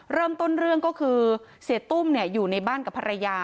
เริ่มต้นเรื่องก็คือเสียตุ้มอยู่ในบ้านกับภรรยา